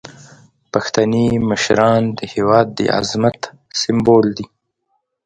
پښتني مشران د هیواد د عظمت سمبول دي.